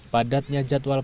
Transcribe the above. padatnya jadwal pertempuran